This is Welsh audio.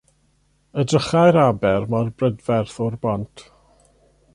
Edrychai'r aber mor brydferth o'r bont.